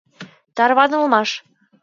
Тарванылмаш.